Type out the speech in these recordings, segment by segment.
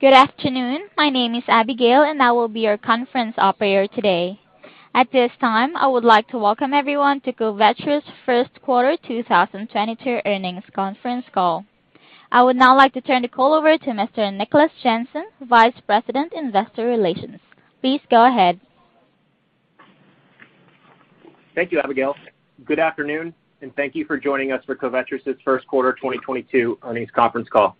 Good afternoon. My name is Abigail, and I will be your conference operator today. At this time, I would like to welcome everyone to Covetrus first quarter 2022 earnings conference call. I would now like to turn the call over to Mr. Nicholas Jansen, Vice President, Investor Relations. Please go ahead. Thank you, Abigail. Good afternoon, and thank you for joining us for Covetrus' first quarter 2022 earnings conference call.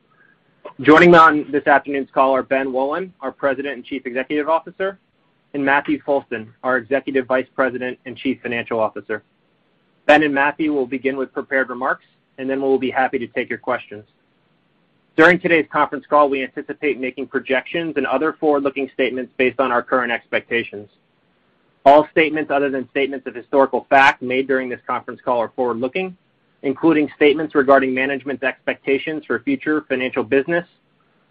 Joining me on this afternoon's call are Ben Wolin, our President and Chief Executive Officer, and Matthew Foulston, our Executive Vice President and Chief Financial Officer. Ben and Matthew will begin with prepared remarks, and then we'll be happy to take your questions. During today's conference call, we anticipate making projections and otherbforward-looking statements based on our current expectations. All statements other than statements of historical fact made during this conference call are forward-looking, including statements regarding management's expectations for future financial business,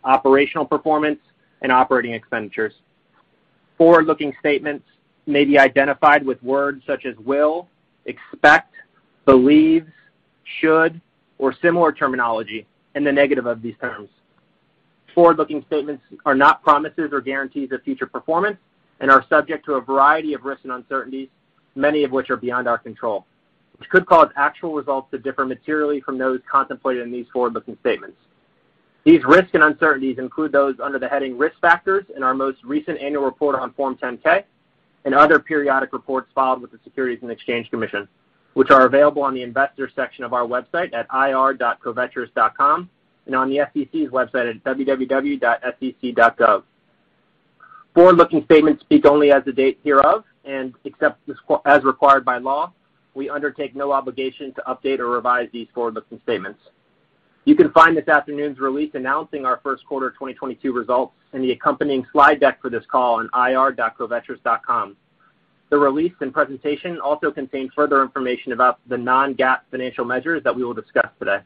operational performance, and operating expenditures. Forward-looking statements may be identified with words such as will, expect, believes, should, or similar terminology and the negative of these terms. Forward-looking statements are not promises or guarantees of future performance and are subject to a variety of risks and uncertainties, many of which are beyond our control, which could cause actual results to differ materially from those contemplated in these forward-looking statements. These risks and uncertainties include those under the heading Risk Factors in our most recent annual report on Form 10-K and other periodic reports filed with the Securities and Exchange Commission, which are available on the investors section of our website at ir.covetrus.com and on the SEC's website at www.sec.gov. Forward-looking statements speak only as of the date hereof, and except as required by law, we undertake no obligation to update or revise these forward-looking statements. You can find this afternoon's release announcing our first quarter 2022 results and the accompanying slide deck for this call on ir.covetrus.com. The release and presentation also contain further information about the non-GAAP financial measures that we will discuss today.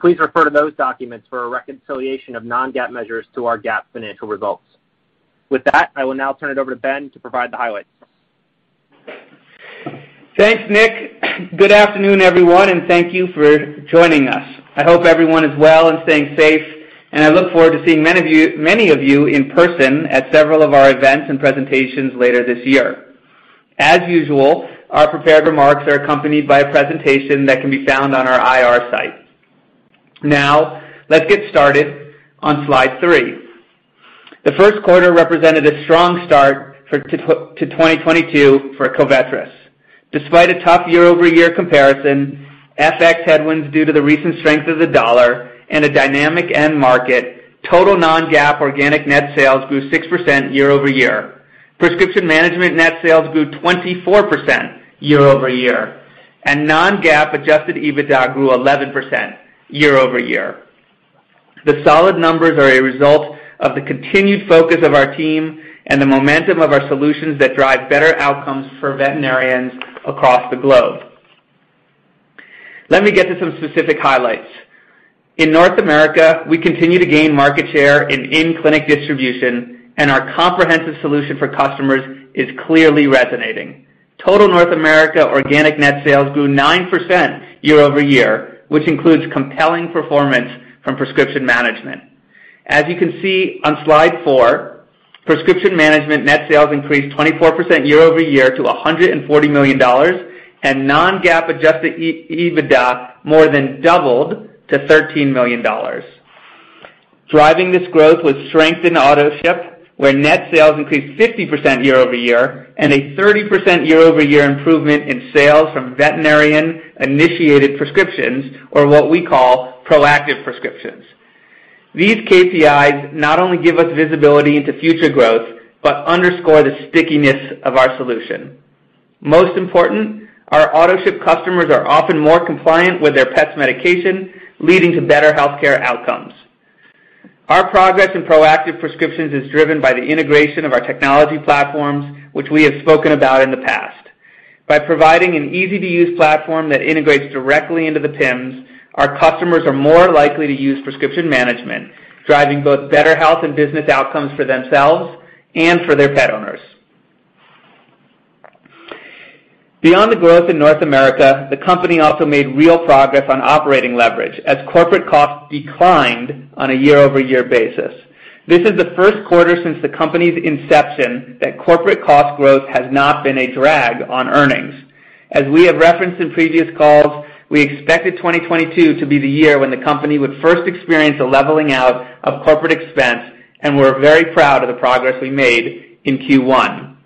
Please refer to those documents for a reconciliation of non-GAAP measures to our GAAP financial results. With that, I will now turn it over to Ben to provide the highlights. Thanks, Nick. Good afternoon, everyone, and thank you for joining us. I hope everyone is well and staying safe, and I look forward to seeing many of you in person at several of our events and presentations later this year. As usual, our prepared remarks are accompanied by a presentation that can be found on our IR site. Now, let's get started on slide three. The first quarter represented a strong start to 2022 for Covetrus. Despite a tough year-over-year comparison, FX headwinds due to the recent strength of the dollar and a dynamic end market, total non-GAAP organic net sales grew 6% year-over-year. Prescription management net sales grew 24% year-over-year, and non-GAAP Adjusted EBITDA grew 11% year-over-year. The solid numbers are a result of the continued focus of our team and the momentum of our solutions that drive better outcomes for veterinarians across the globe. Let me get to some specific highlights. In North America, we continue to gain market share in-clinic distribution, and our comprehensive solution for customers is clearly resonating. Total North America organic net sales grew 9% year-over-year, which includes compelling performance from prescription management. As you can see on slide four, prescription management net sales increased 24% year-over-year to $140 million, and non-GAAP Adjusted EBITDA more than doubled to $13 million. Driving this growth was strength in AutoShip, where net sales increased 50% year-over-year and a 30% year-over-year improvement in sales from veterinarian-initiated prescriptions or what we call proactive prescriptions. These KPIs not only give us visibility into future growth but underscore the stickiness of our solution. Most important, our AutoShip customers are often more compliant with their pet's medication, leading to better healthcare outcomes. Our progress in proactive prescriptions is driven by the integration of our technology platforms, which we have spoken about in the past. By providing an easy-to-use platform that integrates directly into the PIMs, our customers are more likely to use prescription management, driving both better health and business outcomes for themselves and for their pet owners. Beyond the growth in North America, the company also made real progress on operating leverage as corporate costs declined on a year-over-year basis. This is the first quarter since the company's inception that corporate cost growth has not been a drag on earnings. As we have referenced in previous calls, we expected 2022 to be the year when the company would first experience a leveling out of corporate expense, and we're very proud of the progress we made in Q1.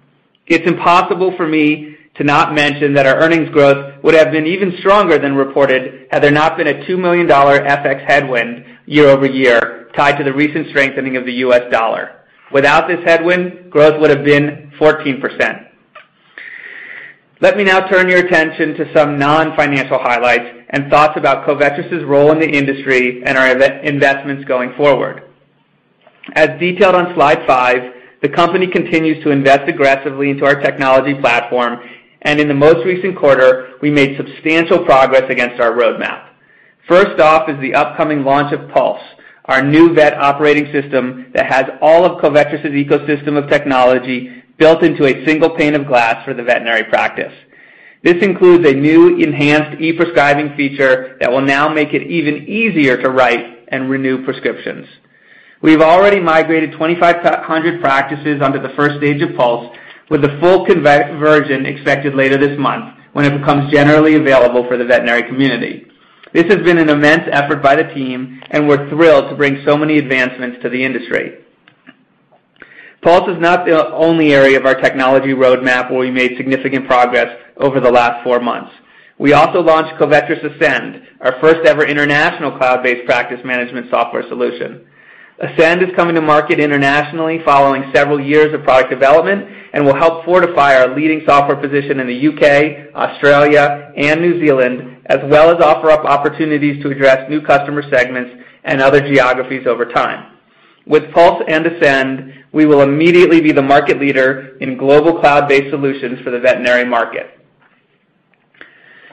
It's impossible for me to not mention that our earnings growth would have been even stronger than reported had there not been a $2 million FX headwind year over year tied to the recent strengthening of the US dollar. Without this headwind, growth would have been 14%. Let me now turn your attention to some non-financial highlights and thoughts about Covetrus' role in the industry and our investments going forward. As detailed on slide five, the company continues to invest aggressively into our technology platform, and in the most recent quarter, we made substantial progress against our roadmap. First off is the upcoming launch of Pulse, our new vet operating system that has all of Covetrus' ecosystem of technology built into a single pane of glass for the veterinary practice. This includes a new enhanced e-prescribing feature that will now make it even easier to write and renew prescriptions. We've already migrated 2,500 practices under the first stage of Pulse, with the full conversion expected later this month when it becomes generally available for the veterinary community. This has been an immense effort by the team, and we're thrilled to bring so many advancements to the industry. Pulse is not the only area of our technology roadmap where we made significant progress over the last four months. We also launched Covetrus Ascend, our first ever international cloud-based practice management software solution. Ascend is coming to market internationally following several years of product development and will help fortify our leading software position in the U.K., Australia, and New Zealand, as well as offer up opportunities to address new customer segments and other geographies over time. With Pulse and Ascend, we will immediately be the market leader in global cloud-based solutions for the veterinary market.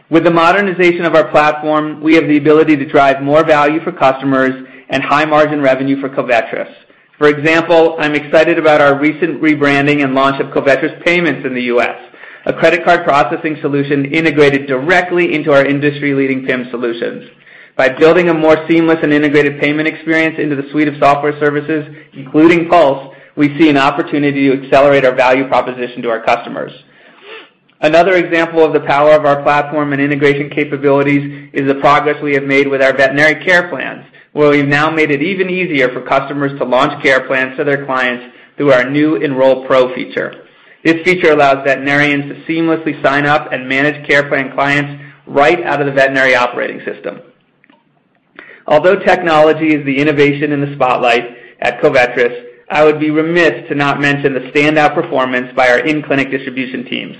With the modernization of our platform, we have the ability to drive more value for customers and high margin revenue for Covetrus. For example, I'm excited about our recent rebranding and launch of Covetrus Payments in the U.S., a credit card processing solution integrated directly into our industry-leading PIM solutions. By building a more seamless and integrated payment experience into the suite of software services, including Pulse, we see an opportunity to accelerate our value proposition to our customers. Another example of the power of our platform and integration capabilities is the progress we have made with our veterinary care plans, where we've now made it even easier for customers to launch care plans to their clients through our new EnrollPro feature. This feature allows veterinarians to seamlessly sign up and manage care plan clients right out of the veterinary operating system. Although technology is the innovation in the spotlight at Covetrus, I would be remiss to not mention the standout performance by our in-clinic distribution teams.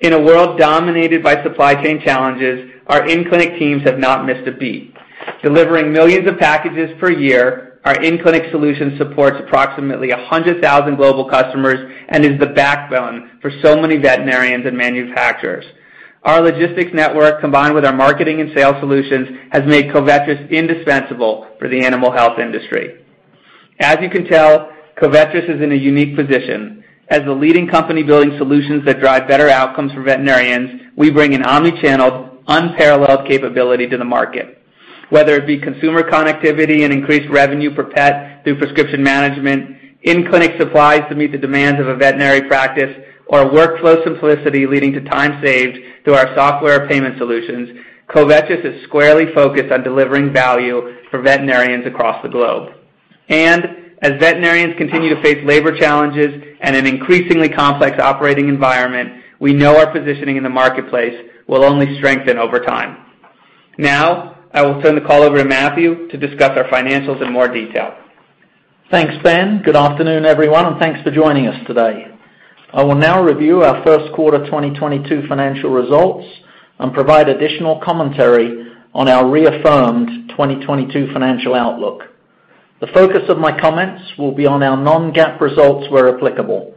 In a world dominated by supply chain challenges, our in-clinic teams have not missed a beat. Delivering millions of packages per year, our in-clinic solution supports approximately 100,000 global customers and is the backbone for so many veterinarians and manufacturers. Our logistics network, combined with our marketing and sales solutions, has made Covetrus indispensable for the animal health industry. As you can tell, Covetrus is in a unique position. As a leading company building solutions that drive better outcomes for veterinarians, we bring an omni-channel, unparalleled capability to the market. Whether it be consumer connectivity and increased revenue per pet through prescription management, in-clinic supplies to meet the demands of a veterinary practice, or workflow simplicity leading to time saved through our software payment solutions, Covetrus is squarely focused on delivering value for veterinarians across the globe. As veterinarians continue to face labor challenges and an increasingly complex operating environment, we know our positioning in the marketplace will only strengthen over time. Now, I will turn the call over to Matthew to discuss our financials in more detail. Thanks, Ben. Good afternoon, everyone, and thanks for joining us today. I will now review our first quarter 2022 financial results and provide additional commentary on our reaffirmed 2022 financial outlook. The focus of my comments will be on our non-GAAP results where applicable.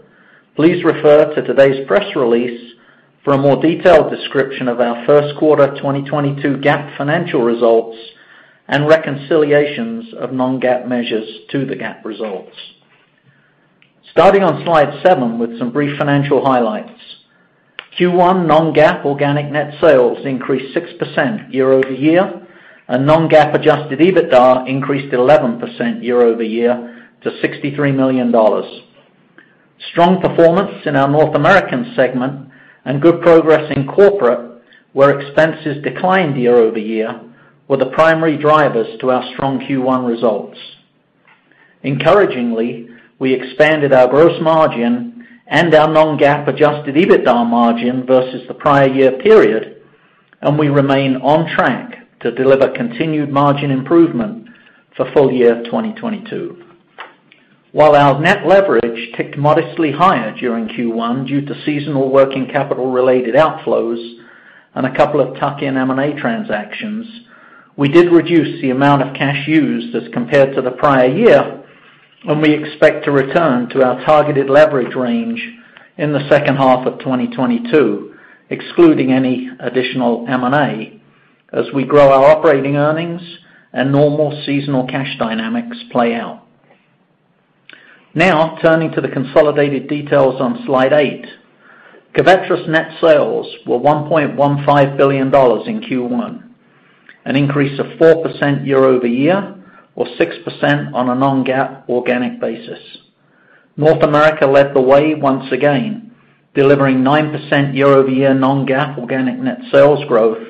Please refer to today's press release for a more detailed description of our first quarter 2022 GAAP financial results and reconciliations of non-GAAP measures to the GAAP results. Starting on slide seven with some brief financial highlights. Q1 non-GAAP organic net sales increased 6% year-over-year, and non-GAAP Adjusted EBITDA increased 11% year-over-year to $63 million. Strong performance in our North American segment and good progress in corporate, where expenses declined year-over-year, were the primary drivers to our strong Q1 results. Encouragingly, we expanded our gross margin and our non-GAAP Adjusted EBITDA margin versus the prior year period, and we remain on track to deliver continued margin improvement for full year 2022. While our net leverage ticked modestly higher during Q1 due to seasonal working capital-related outflows and a couple of tuck-in M&A transactions, we did reduce the amount of cash used as compared to the prior year, and we expect to return to our targeted leverage range in the second half of 2022, excluding any additional M&A, as we grow our operating earnings and normal seasonal cash dynamics play out. Now, turning to the consolidated details on slide eight. Covetrus net sales were $1.15 billion in Q1, an increase of 4% year-over-year, or 6% on a non-GAAP organic basis. North America led the way once again, delivering 9% year-over-year non-GAAP organic net sales growth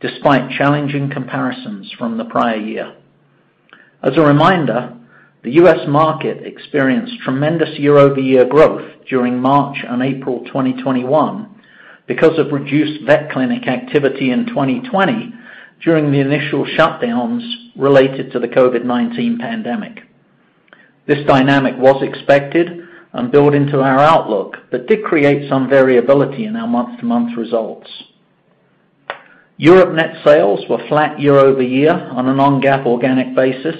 despite challenging comparisons from the prior year. As a reminder, the U.S. market experienced tremendous year-over-year growth during March and April 2021 because of reduced vet clinic activity in 2020 during the initial shutdowns related to the COVID-19 pandemic. This dynamic was expected and built into our outlook, but did create some variability in our month-to-month results. Europe net sales were flat year-over-year on a non-GAAP organic basis,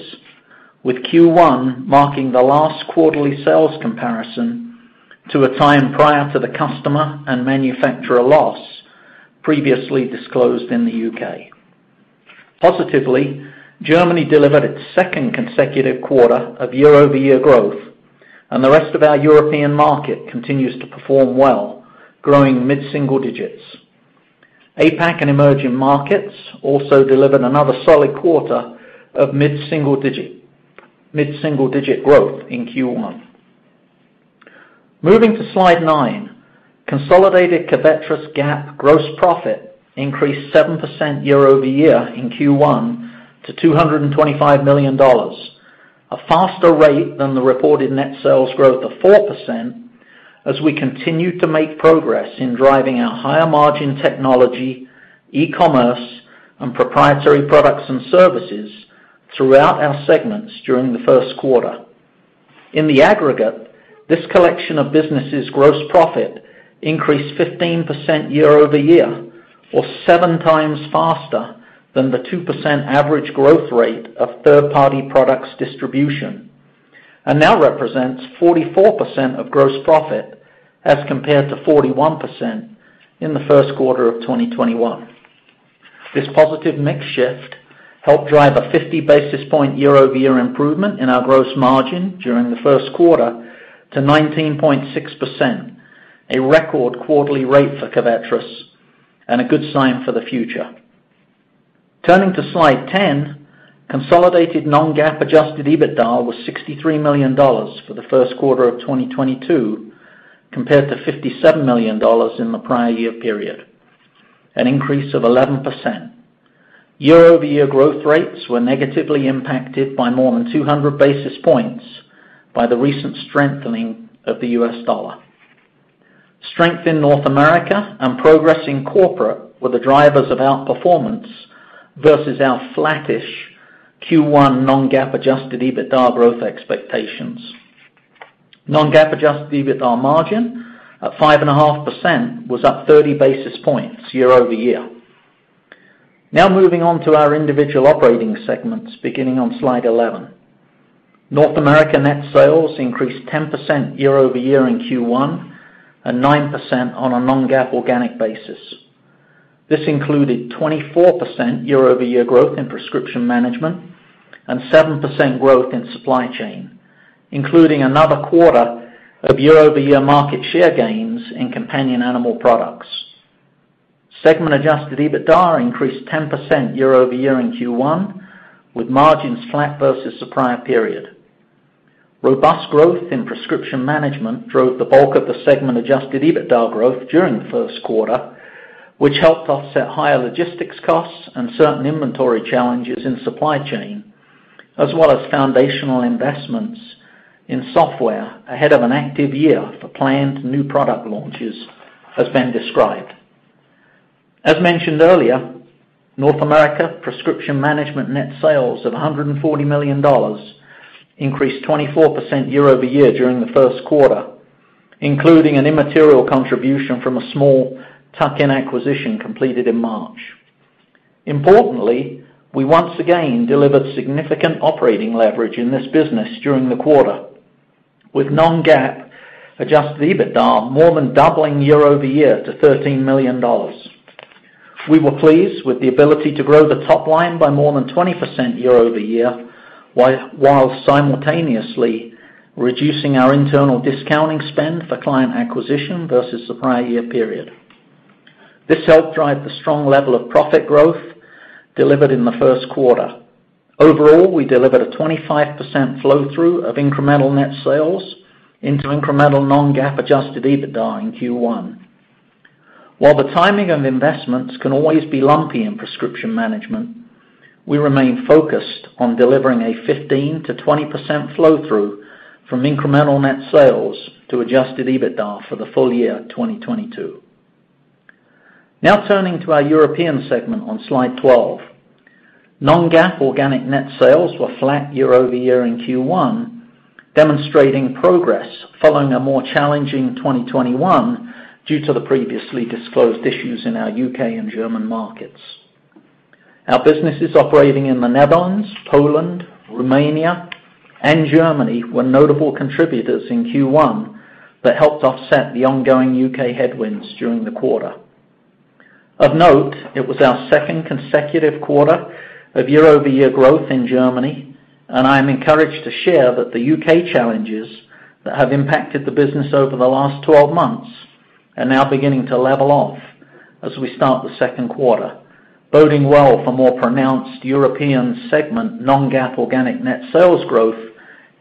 with Q1 marking the last quarterly sales comparison to a time prior to the customer and manufacturer loss previously disclosed in the UK. Positively, Germany delivered its second consecutive quarter of year-over-year growth, and the rest of our European market continues to perform well, growing mid-single digits. APAC and emerging markets also delivered another solid quarter of mid-single-digit growth in Q1. Moving to slide nine, consolidated Covetrus GAAP gross profit increased 7% year-over-year in Q1 to $225 million, a faster rate than the reported net sales growth of 4% as we continue to make progress in driving our higher margin technology, e-commerce, and proprietary products and services throughout our segments during the first quarter. In the aggregate, this collection of businesses' gross profit increased 15% year-over-year, or 7x faster than the 2% average growth rate of third-party products distribution, and now represents 44% of gross profit as compared to 41% in the first quarter of 2021. This positive mix shift helped drive a 50 basis point year-over-year improvement in our gross margin during the first quarter to 19.6%, a record quarterly rate for Covetrus and a good sign for the future. Turning to slide 10, consolidated non-GAAP Adjusted EBITDA was $63 million for the first quarter of 2022 compared to $57 million in the prior year period, an increase of 11%. Year-over-year growth rates were negatively impacted by more than 200 basis points by the recent strengthening of the US dollar. Strength in North America and progress in corporate were the drivers of outperformance versus our flattish Q1 non-GAAP Adjusted EBITDA growth expectations. Non-GAAP Adjusted EBITDA margin at 5.5% was up 30 basis points year-over-year. Now moving on to our individual operating segments beginning on slide 11. North America net sales increased 10% year-over-year in Q1, and 9% on a non-GAAP organic basis. This included 24% year-over-year growth in prescription management and 7% growth in supply chain, including another quarter of year-over-year market share gains in companion animal products. Segment Adjusted EBITDA increased 10% year-over-year in Q1, with margins flat versus the prior period. Robust growth in prescription management drove the bulk of the segment Adjusted EBITDA growth during the first quarter, which helped offset higher logistics costs and certain inventory challenges in supply chain, as well as foundational investments in software ahead of an active year for planned new product launches as has been described. As mentioned earlier, North America prescription management net sales of $140 million increased 24% year-over-year during the first quarter, including an immaterial contribution from a small tuck-in acquisition completed in March. Importantly, we once again delivered significant operating leverage in this business during the quarter with non-GAAP Adjusted EBITDA more than doubling year-over-year to $13 million. We were pleased with the ability to grow the top line by more than 20% year-over-year, while simultaneously reducing our internal discounting spend for client acquisition versus the prior year period. This helped drive the strong level of profit growth delivered in the first quarter. Overall, we delivered a 25% flow-through of incremental net sales into incremental non-GAAP Adjusted EBITDA in Q1. While the timing of investments can always be lumpy in prescription management, we remain focused on delivering a 15%-20% flow-through from incremental net sales to Adjusted EBITDA for the full year 2022. Now turning to our European segment on slide 12. non-GAAP organic net sales were flat year-over-year in Q1, demonstrating progress following a more challenging 2021 due to the previously disclosed issues in our UK and German markets. Our businesses operating in the Netherlands, Poland, Romania, and Germany were notable contributors in Q1 that helped offset the ongoing UK headwinds during the quarter. Of note, it was our second consecutive quarter of year-over-year growth in Germany, and I am encouraged to share that the UK challenges that have impacted the business over the last 12 months are now beginning to level off as we start the second quarter, boding well for more pronounced European segment non-GAAP organic net sales growth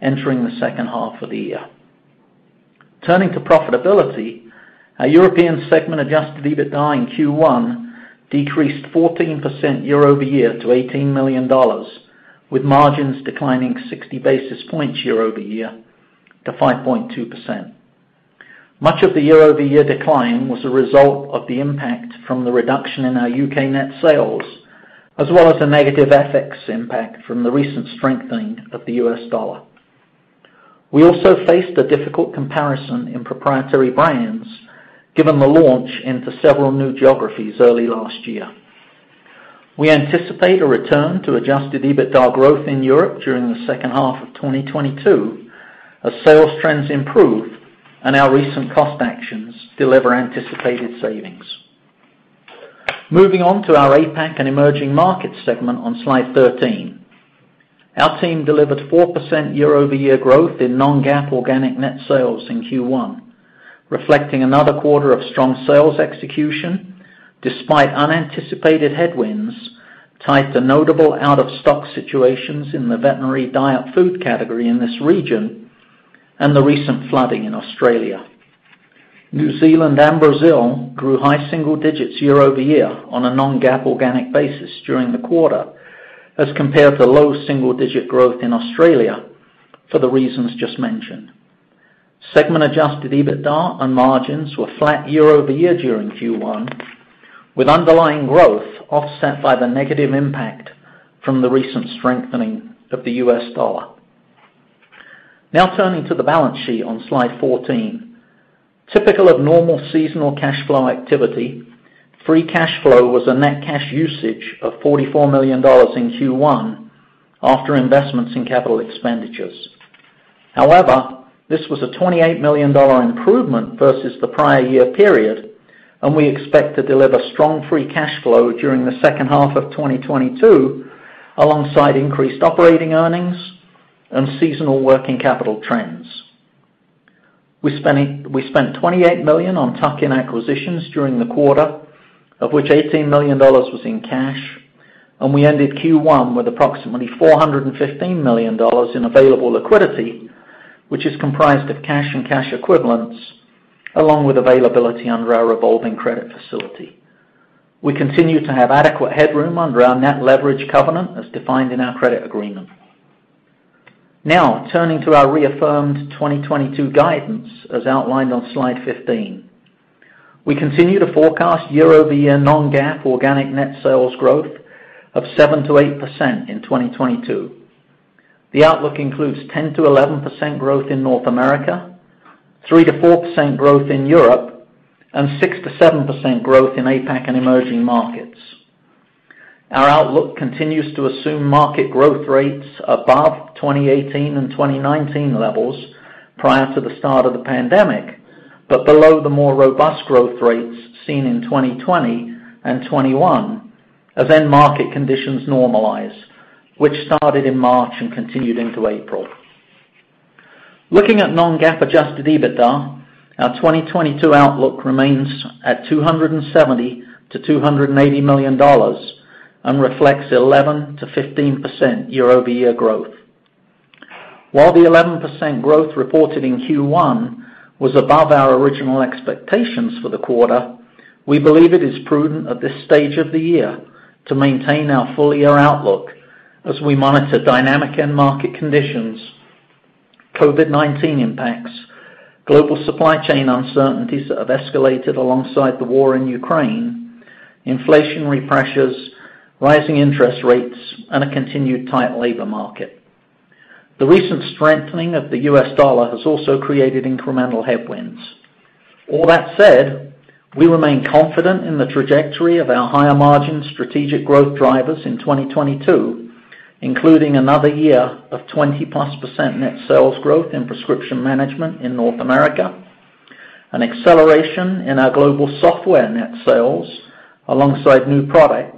entering the second half of the year. Turning to profitability, our European segment Adjusted EBITDA in Q1 decreased 14% year-over-year to $18 million, with margins declining 60 basis points year-over-year to 5.2%. Much of the year-over-year decline was a result of the impact from the reduction in our UK net sales, as well as a negative FX impact from the recent strengthening of the US dollar. We also faced a difficult comparison in proprietary brands given the launch into several new geographies early last year. We anticipate a return to Adjusted EBITDA growth in Europe during the second half of 2022. As sales trends improve and our recent cost actions deliver anticipated savings. Moving on to our APAC and emerging markets segment on slide 13. Our team delivered 4% year-over-year growth in non-GAAP organic net sales in Q1, reflecting another quarter of strong sales execution despite unanticipated headwinds tied to notable out-of-stock situations in the veterinary diet food category in this region and the recent flooding in Australia. New Zealand and Brazil grew high single digits year over year on a non-GAAP organic basis during the quarter as compared to low single-digit growth in Australia for the reasons just mentioned. Segment-Adjusted EBITDA and margins were flat year-over-year during Q1, with underlying growth offset by the negative impact from the recent strengthening of the US dollar. Now turning to the balance sheet on slide 14. Typical of normal seasonal cash flow activity, free cash flow was a net cash usage of $44 million in Q1 after investments in capital expenditures. However, this was a $28 million improvement versus the prior year period, and we expect to deliver strong free cash flow during the second half of 2022, alongside increased operating earnings and seasonal working capital trends. We spent $28 million on tuck-in acquisitions during the quarter, of which $18 million was in cash, and we ended Q1 with approximately $415 million in available liquidity, which is comprised of cash and cash equivalents, along with availability under our revolving credit facility. We continue to have adequate headroom under our net leverage covenant as defined in our credit agreement. Now, turning to our reaffirmed 2022 guidance as outlined on slide 15. We continue to forecast year-over-year non-GAAP organic net sales growth of 7%-8% in 2022. The outlook includes 10%-11% growth in North America, 3%-4% growth in Europe, and 6%-7% growth in APAC and emerging markets. Our outlook continues to assume market growth rates above 2018 and 2019 levels prior to the start of the pandemic, but below the more robust growth rates seen in 2020 and 2021 as then market conditions normalize, which started in March and continued into April. Looking at non-GAAP Adjusted EBITDA, our 2022 outlook remains at $270 million-$280 million and reflects 11%-15% year-over-year growth. While the 11% growth reported in Q1 was above our original expectations for the quarter, we believe it is prudent at this stage of the year to maintain our full-year outlook as we monitor dynamic end market conditions, COVID-19 impacts, global supply chain uncertainties that have escalated alongside the war in Ukraine, inflationary pressures, rising interest rates, and a continued tight labor market. The recent strengthening of the U.S. dollar has also created incremental headwinds. All that said, we remain confident in the trajectory of our higher margin strategic growth drivers in 2022, including another year of 20%+ net sales growth in prescription management in North America, an acceleration in our global software net sales alongside new products,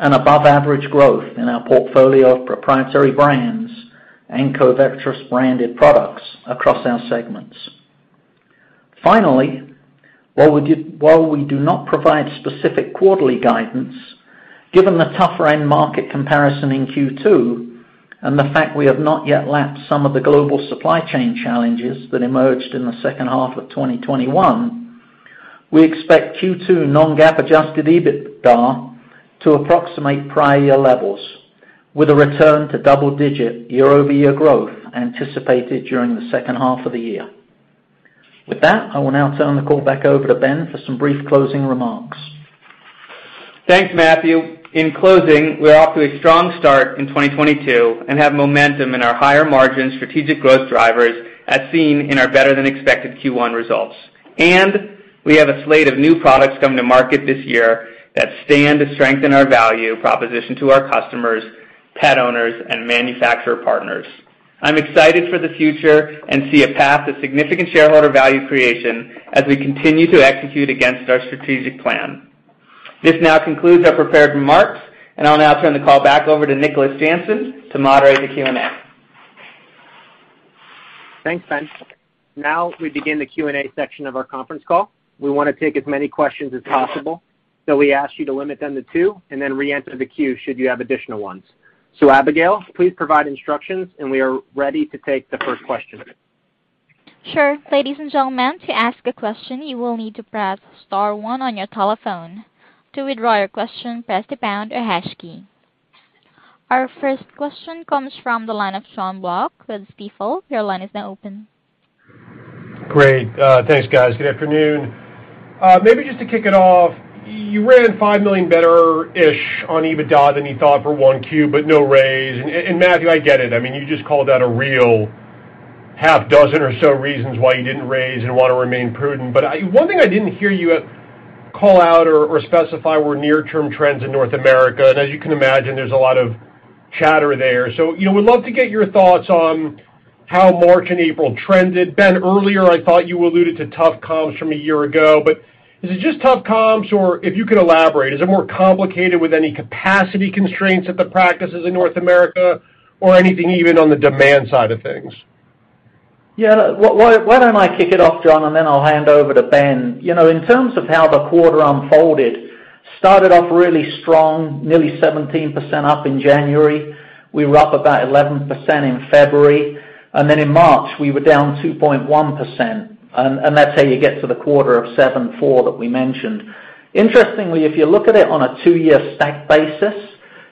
and above-average growth in our portfolio of proprietary brands and Covetrus-branded products across our segments. Finally, while we do not provide specific quarterly guidance, given the tougher end market comparison in Q2 and the fact we have not yet lapped some of the global supply chain challenges that emerged in the second half of 2021, we expect Q2 non-GAAP Adjusted EBITDA to approximate prior year levels with a return to double-digit year-over-year growth anticipated during the second half of the year. With that, I will now turn the call back over to Ben for some brief closing remarks. Thanks, Matthew. In closing, we're off to a strong start in 2022 and have momentum in our higher margin strategic growth drivers as seen in our better than expected Q1 results. We have a slate of new products coming to market this year that stand to strengthen our value proposition to our customers, pet owners, and manufacturer partners. I'm excited for the future and see a path to significant shareholder value creation as we continue to execute against our strategic plan. This now concludes our prepared remarks, and I'll now turn the call back over to Nicholas Jansen to moderate the Q and A. Thanks, Ben. Now we begin the Q and A section of our conference call. We wanna take as many questions as possible, so we ask you to limit them to two and then reenter the queue should you have additional ones. Abigail, please provide instructions, and we are ready to take the first question. Sure. Ladies and gentlemen, to ask a question, you will need to press star one on your telephone. To withdraw your question, press the pound or hash key. Our first question comes from the line of Jon Block with Stifel. Your line is now open. Great. Thanks, guys. Good afternoon. Maybe just to kick it off, you ran $5 million better-ish on EBITDA than you thought for 1Q, but no raise. Matthew, I get it. I mean, you just called out a real half dozen or so reasons why you didn't raise and wanna remain prudent. One thing I didn't hear you. Call out or specify where near-term trends in North America. As you can imagine, there's a lot of chatter there. You know, we'd love to get your thoughts on how March and April trended. Ben, earlier, I thought you alluded to tough comps from a year ago, but is it just tough comps? Or if you could elaborate, is it more complicated with any capacity constraints at the practices in North America or anything even on the demand side of things? Yeah. Why don't I kick it off, Jon, and then I'll hand over to Ben. You know, in terms of how the quarter unfolded, started off really strong, nearly 17% up in January. We were up about 11% in February, and then in March, we were down 2.1%. That's how you get to the quarter of 7.4 that we mentioned. Interestingly, if you look at it on a two-year stack basis,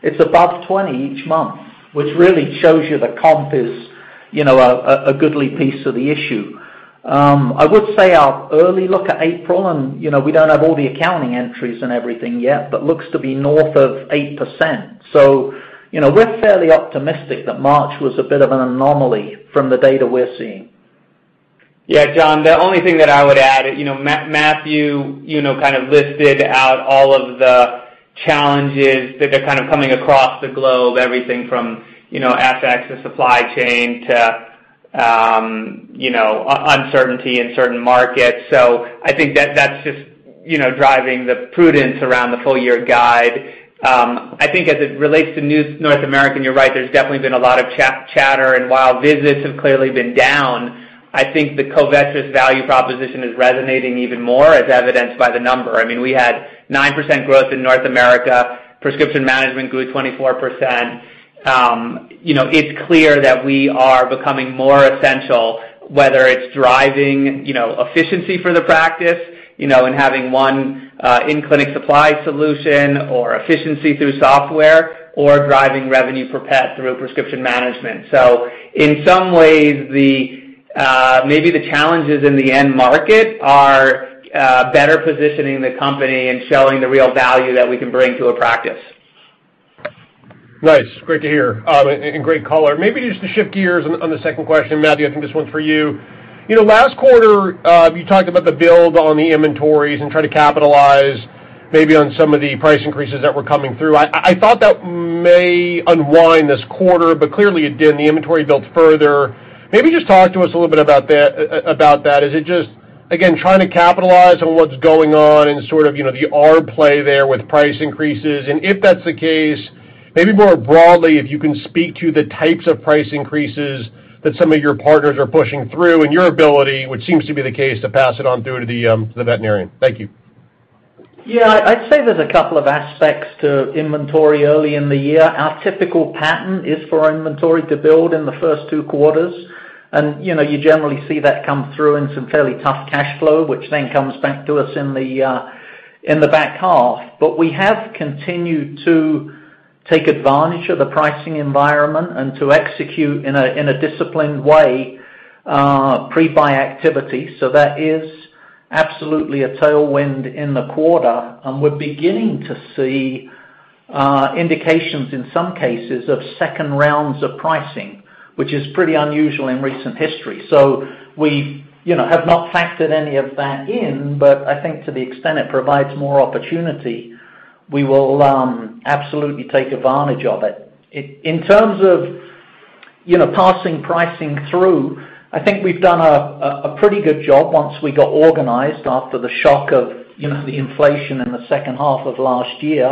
it's above 20% each month, which really shows you the comp is, you know, a goodly piece of the issue. I would say our early look at April, and, you know, we don't have all the accounting entries and everything yet, but looks to be north of 8%. you know, we're fairly optimistic that March was a bit of an anomaly from the data we're seeing. Yeah. Jon, the only thing that I would add, you know, Matthew, you know, kind of listed out all of the challenges that are kind of coming across the globe, everything from, you know, FX to supply chain to, you know, uncertainty in certain markets. I think that's just, you know, driving the prudence around the full year guide. I think as it relates to North America, you're right, there's definitely been a lot of chatter. While visits have clearly been down, I think the Covetrus value proposition is resonating even more as evidenced by the number. I mean, we had 9% growth in North America, prescription management grew 24%. You know, it's clear that we are becoming more essential, whether it's driving, you know, efficiency for the practice, you know, and having one in-clinic supply solution or efficiency through software or driving revenue per pet through prescription management. In some ways, the maybe the challenges in the end market are better positioning the company and showing the real value that we can bring to a practice. Nice. Great to hear, and great color. Maybe just to shift gears on the second question, Matthew, I think this one's for you. You know, last quarter, you talked about the build on the inventories and try to capitalize maybe on some of the price increases that were coming through. I thought that may unwind this quarter, but clearly it didn't. The inventory built further. Maybe just talk to us a little bit about that. Is it just, again, trying to capitalize on what's going on and sort of, you know, the arb play there with price increases? And if that's the case, maybe more broadly, if you can speak to the types of price increases that some of your partners are pushing through and your ability, which seems to be the case, to pass it on through to the veterinarian. Thank you. Yeah, I'd say there's a couple of aspects to inventory early in the year. Our typical pattern is for inventory to build in the first two quarters, and, you know, you generally see that come through in some fairly tough cash flow, which then comes back to us in the back half. We have continued to take advantage of the pricing environment and to execute in a disciplined way, pre-buy activity. That is absolutely a tailwind in the quarter, and we're beginning to see indications in some cases of second rounds of pricing, which is pretty unusual in recent history. We, you know, have not factored any of that in, but I think to the extent it provides more opportunity, we will absolutely take advantage of it. In terms of, you know, passing pricing through, I think we've done a pretty good job once we got organized after the shock of, you know, the inflation in the second half of last year.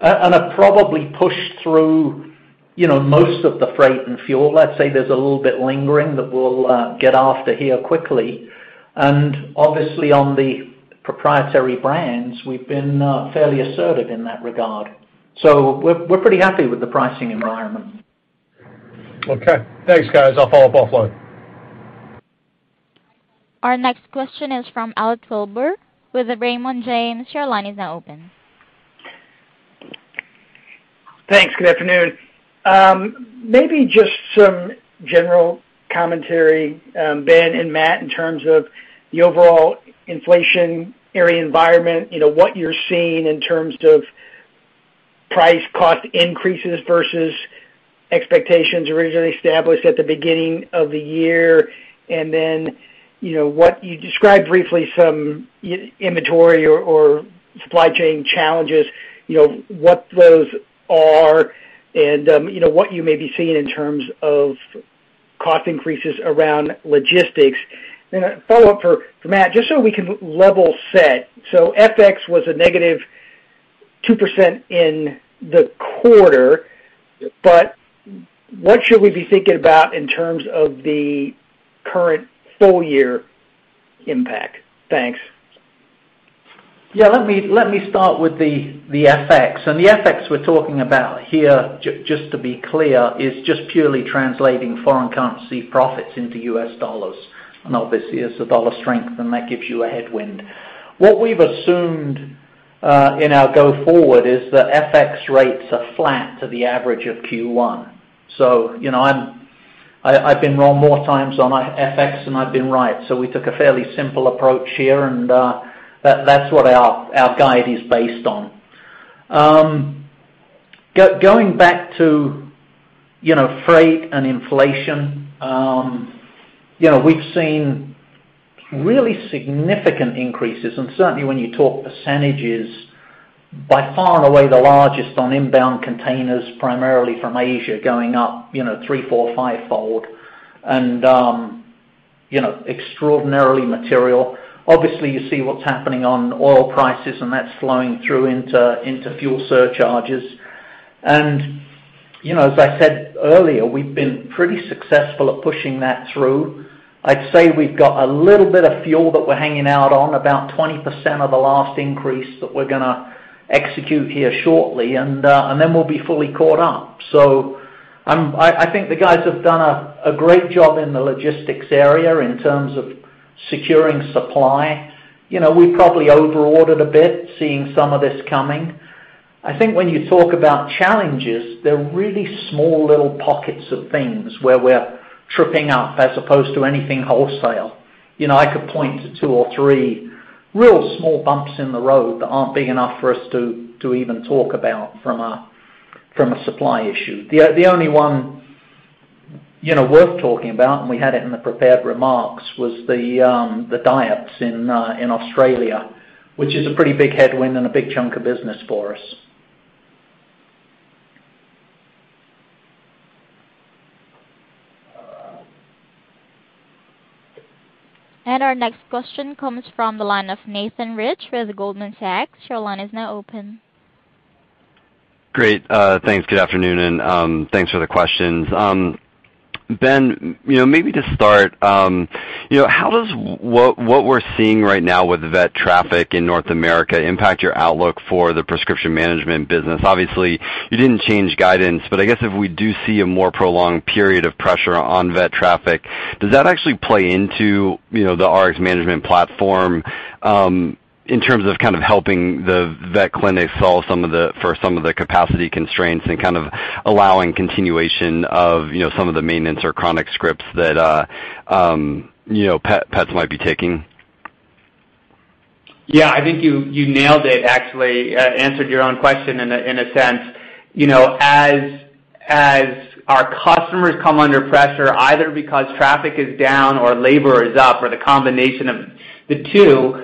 Have probably pushed through, you know, most of the freight and fuel. Let's say there's a little bit lingering that we'll get after it here quickly. Obviously on the proprietary brands, we've been fairly assertive in that regard. We're pretty happy with the pricing environment. Okay. Thanks, guys. I'll follow up offline. Our next question is from Elliot Wilbur with Raymond James. Your line is now open. Thanks. Good afternoon. Maybe just some general commentary, Ben and Matt, in terms of the overall inflationary environment, you know, what you're seeing in terms of price-cost increases versus expectations originally established at the beginning of the year. You described briefly some inventory or supply chain challenges, you know, what those are and, you know, what you may be seeing in terms of cost increases around logistics. A follow-up for Matt, just so we can level set. FX was a -2% in the quarter, but what should we be thinking about in terms of the current full year impact? Thanks. Yeah, let me start with the FX. The FX we're talking about here, just to be clear, is just purely translating foreign currency profits into US dollars. Obviously, as the dollar strengthen, that gives you a headwind. What we've assumed in our go forward is that FX rates are flat to the average of Q1. You know, I've been wrong more times on FX than I've been right. We took a fairly simple approach here, and that's what our guide is based on. Going back to you know, freight and inflation, you know, we've seen really significant increases and certainly when you talk percentages by far and away the largest on inbound containers, primarily from Asia, going up, you know, three, four, five-fold. You know, extraordinarily material. Obviously, you see what's happening on oil prices, and that's flowing through into fuel surcharges. You know, as I said earlier, we've been pretty successful at pushing that through. I'd say we've got a little bit of fuel that we're hanging out on, about 20% of the last increase that we're gonna execute here shortly, and then we'll be fully caught up. I think the guys have done a great job in the logistics area in terms of securing supply. You know, we probably over-ordered a bit seeing some of this coming. I think when you talk about challenges, they're really small little pockets of things where we're tripping up as opposed to anything wholesale. You know, I could point to two or three real small bumps in the road that aren't big enough for us to even talk about from a supply issue. The only one, you know, worth talking about, and we had it in the prepared remarks, was the diets in Australia, which is a pretty big headwind and a big chunk of business for us. Our next question comes from the line of Nathan Rich with Goldman Sachs. Your line is now open. Great. Thanks. Good afternoon, and thanks for the questions. Ben, you know, maybe to start, you know, how does what we're seeing right now with vet traffic in North America impact your outlook for the prescription management business? Obviously, you didn't change guidance, but I guess if we do see a more prolonged period of pressure on vet traffic, does that actually play into, you know, the RX management platform in terms of kind of helping the vet clinics solve for some of the capacity constraints and kind of allowing continuation of, you know, some of the maintenance or chronic scripts that, you know, pets might be taking? Yeah. I think you nailed it, actually, answered your own question in a sense. You know, as our customers come under pressure, either because traffic is down or labor is up or the combination of the two,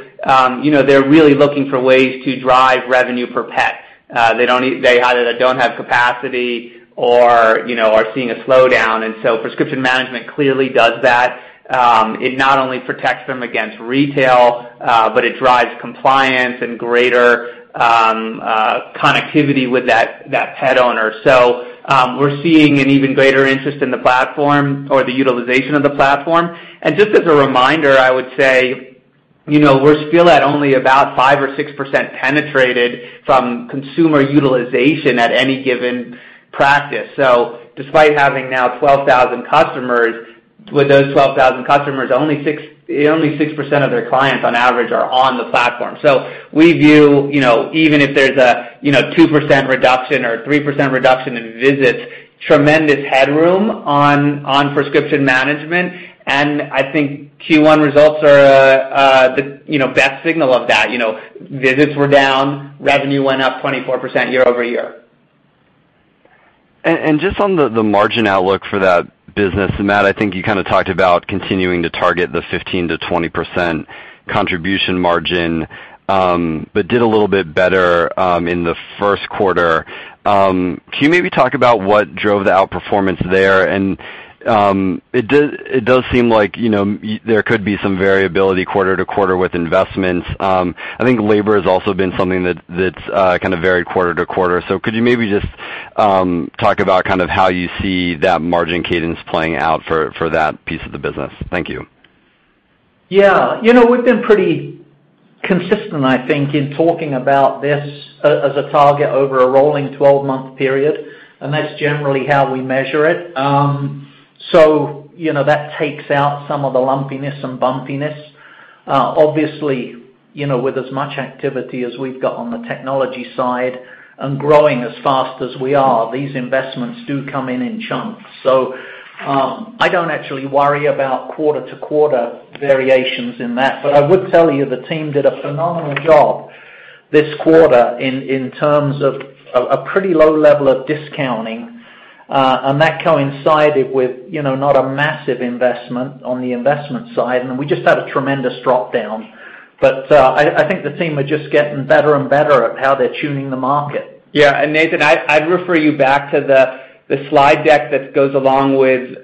you know, they're really looking for ways to drive revenue per pet. They either don't have capacity or, you know, are seeing a slowdown. Prescription management clearly does that. It not only protects them against retail, but it drives compliance and greater connectivity with that pet owner. We're seeing an even greater interest in the platform or the utilization of the platform. Just as a reminder, I would say, you know, we're still at only about 5% or 6% penetrated from consumer utilization at any given practice. Despite having now 12,000 customers, with those 12,000 customers, only 6% of their clients on average are on the platform. We view, you know, even if there's a, you know, 2% reduction or 3% reduction in visits, tremendous headroom on prescription management. I think Q1 results are the best signal of that. You know, visits were down, revenue went up 24% year-over-year. Just on the margin outlook for that business, Matt, I think you kinda talked about continuing to target the 15%-20% contribution margin, but did a little bit better in the first quarter. Can you maybe talk about what drove the outperformance there? It does seem like, you know, there could be some variability quarter to quarter with investments. I think labor has also been something that's kinda varied quarter to quarter. Could you maybe just talk about kind of how you see that margin cadence playing out for that piece of the business? Thank you. Yeah. You know, we've been pretty consistent, I think, in talking about this as a target over a rolling 12-month period, and that's generally how we measure it. You know, that takes out some of the lumpiness and bumpiness. Obviously, you know, with as much activity as we've got on the technology side and growing as fast as we are, these investments do come in chunks. I don't actually worry about quarter-to-quarter variations in that. I would tell you, the team did a phenomenal job this quarter in terms of a pretty low level of discounting, and that coincided with, you know, not a massive investment on the investment side, and we just had a tremendous drop down. I think the team are just getting better and better at how they're tuning the market. Yeah. Nathan, I'd refer you back to the slide deck that goes along with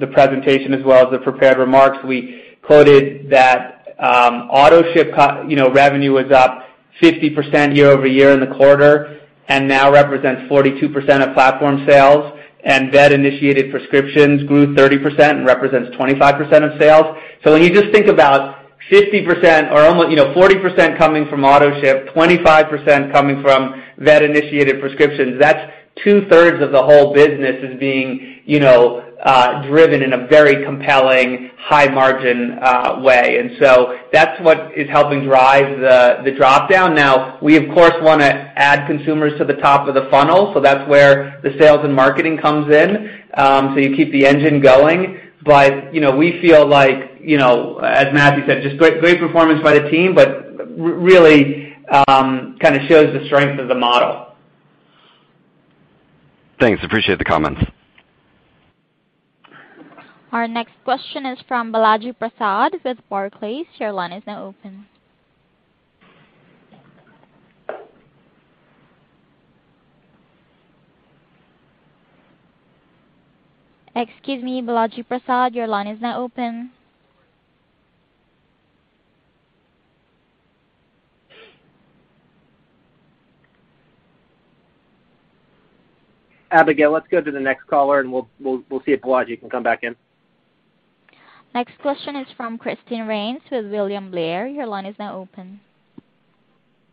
the presentation as well as the prepared remarks. We quoted that AutoShip, you know, revenue was up 50% year-over-year in the quarter and now represents 42% of platform sales. Vet-initiated prescriptions grew 30% and represents 25% of sales. When you just think about 50% or, you know, 40% coming from AutoShip, 25% coming from vet-initiated prescriptions, that's 2/3 of the whole business being driven in a very compelling high-margin way. That's what is helping drive the drop down. Now, we of course wanna add consumers to the top of the funnel, so that's where the sales and marketing comes in, so you keep the engine going. you know, we feel like, you know, as Matthew said, just great performance by the team, but really kind of shows the strength of the model. Thanks. Appreciate the comments. Our next question is from Balaji Prasad with Barclays. Your line is now open. Excuse me, Balaji Prasad, your line is now open. Abigail, let's go to the next caller, and we'll see if Balaji can come back in. Next question is from Erin Wright with William Blair. Your line is now open.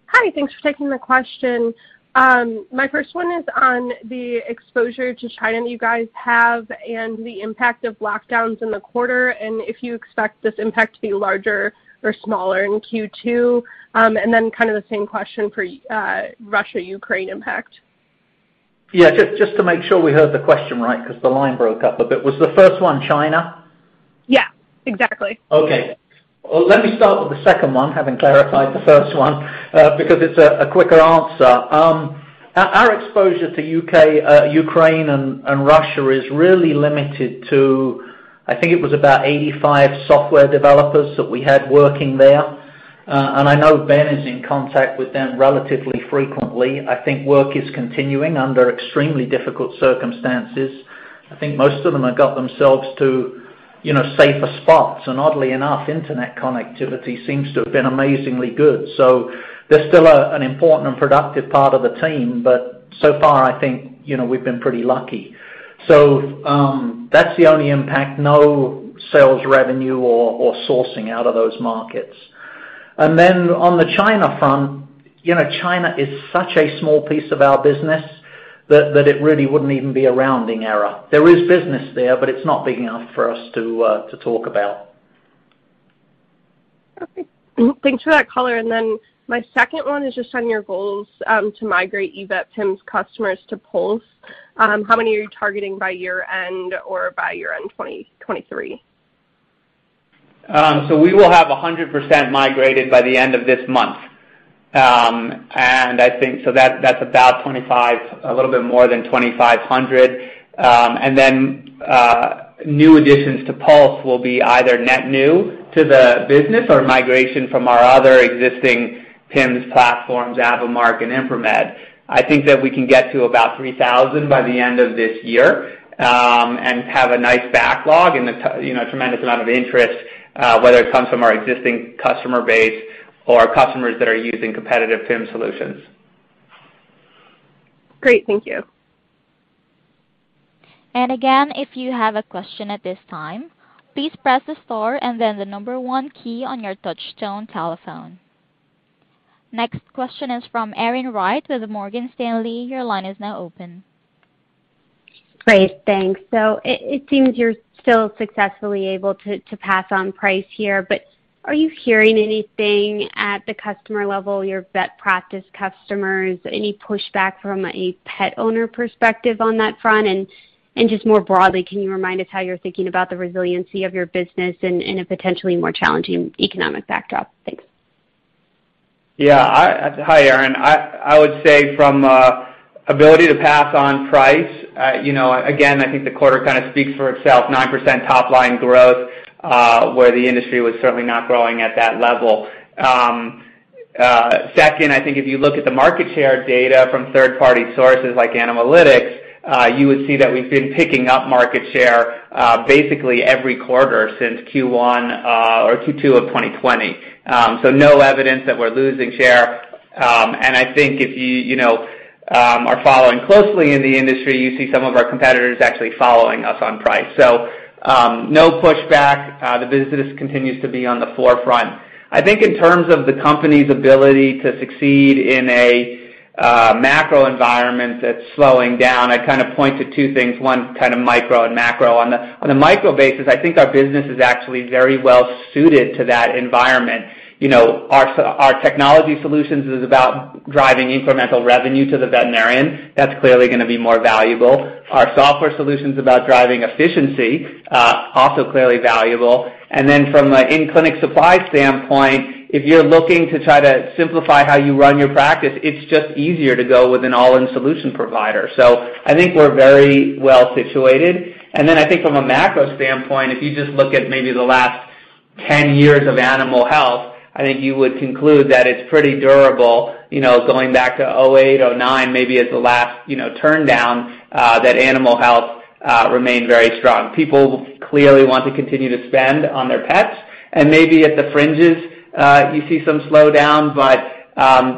Hi. Thanks for taking the question. My first one is on the exposure to China that you guys have and the impact of lockdowns in the quarter, and if you expect this impact to be larger or smaller in Q2. Kind of the same question for Russia-Ukraine impact. Yeah, just to make sure we heard the question right 'cause the line broke up a bit. Was the first one China? Yeah, exactly. Well, let me start with the second one, having clarified the first one, because it's a quicker answer. Our exposure to Ukraine and Russia is really limited to, I think it was about 85 software developers that we had working there. I know Ben is in contact with them relatively frequently. I think work is continuing under extremely difficult circumstances. I think most of them have got themselves to, you know, safer spots. Oddly enough, internet connectivity seems to have been amazingly good. They're still an important and productive part of the team, but so far I think, you know, we've been pretty lucky. That's the only impact. No sales revenue or sourcing out of those markets. On the China front, you know, China is such a small piece of our business that it really wouldn't even be a rounding error. There is business there, but it's not big enough for us to talk about. Okay. Thanks for that color. My second one is just on your goals to migrate eVet PIMs customers to Pulse. How many are you targeting by year-end or by year-end 2023? We will have 100% migrated by the end of this month. I think that's about 25, a little bit more than 2,500. New additions to Pulse will be either net new to the business or migration from our other existing PIMs platforms, Avimark and Impromed. I think that we can get to about 3,000 by the end of this year, and have a nice backlog and you know, tremendous amount of interest, whether it comes from our existing customer base or customers that are using competitive PIM solutions. Great. Thank you. Again, if you have a question at this time, please press the star and then the number one key on your touchtone telephone. Next question is from Erin Wright with Morgan Stanley. Your line is now open. Great. Thanks. It seems you're still successfully able to pass on price here, but are you hearing anything at the customer level, your vet practice customers, any pushback from a pet owner perspective on that front? Just more broadly, can you remind us how you're thinking about the resiliency of your business in a potentially more challenging economic backdrop? Thanks. Hi, Erin. I would say from an ability to pass on price, you know, again, I think the quarter kind of speaks for itself, 9% top line growth, where the industry was certainly not growing at that level. Second, I think if you look at the market share data from third-party sources like Animalytix, you would see that we've been picking up market share basically every quarter since Q1 or Q2 of 2020. No evidence that we're losing share. I think if you know, are following closely in the industry, you see some of our competitors actually following us on price. No pushback. The business continues to be at the forefront. I think in terms of the company's ability to succeed in a macro environment that's slowing down, I kind of point to two things, one kind of micro and macro. On the micro basis, I think our business is actually very well suited to that environment. You know, our technology solutions is about driving incremental revenue to the veterinarian. That's clearly gonna be more valuable. Our software solution's about driving efficiency, also clearly valuable. From a in-clinic supply standpoint, if you're looking to try to simplify how you run your practice, it's just easier to go with an all-in solution provider. I think we're very well situated. I think from a macro standpoint, if you just look at maybe the last 10 years of animal health, I think you would conclude that it's pretty durable. You know, going back to 2008, 2009 maybe as the last, you know, turn down, that animal health remained very strong. People clearly want to continue to spend on their pets, and maybe at the fringes, you see some slowdown, but,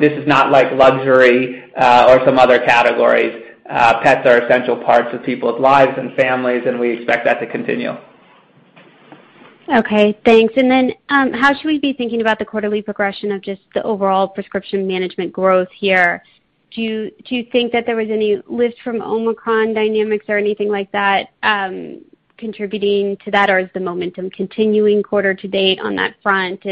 this is not like luxury, or some other categories. Pets are essential parts of people's lives and families, and we expect that to continue. Okay, thanks. How should we be thinking about the quarterly progression of just the overall prescription management growth here? Do you think that there was any lift from Omicron dynamics or anything like that contributing to that, or is the momentum continuing quarter to date on that front?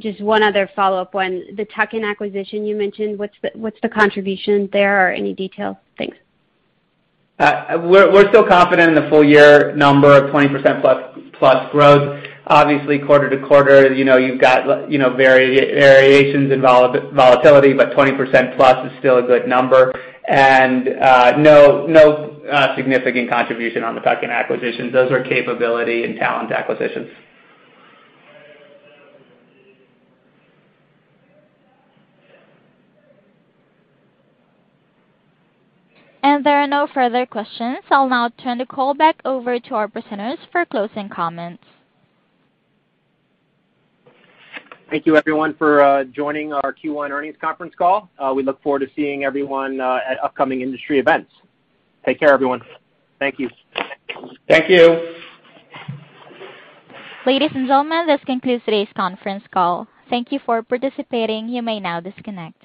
Just one other follow-up one. The tuck-in acquisition you mentioned, what's the contribution there? Any details? Thanks. We're still confident in the full year number of 20%+ growth. Obviously, quarter to quarter, you know, you've got variations and volatility, but 20%+ is still a good number. No significant contribution on the tuck-in acquisitions. Those are capability and talent acquisitions. There are no further questions. I'll now turn the call back over to our presenters for closing comments. Thank you everyone for joining our Q1 earnings conference call. We look forward to seeing everyone at upcoming industry events. Take care, everyone. Thank you. Thank you. Ladies and gentlemen, this concludes today's conference call. Thank you for participating. You may now disconnect.